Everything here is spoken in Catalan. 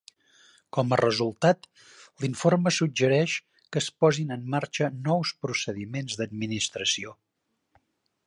Com a resultat, l'informe suggereix que es posin en marxa nous procediments d'administració.